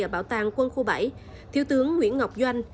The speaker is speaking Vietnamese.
ở bảo tàng quân khu bảy thiếu tướng nguyễn ngọc doanh